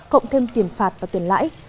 cộng thêm tiền phạt và tiền lãi